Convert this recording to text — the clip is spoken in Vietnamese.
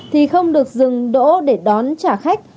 thì không được dừng đỗ để đón trả khách